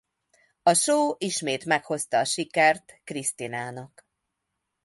A show ismét a meghozta sikert Christinának.